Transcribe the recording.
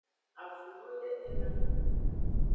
Avu lo le elan lo.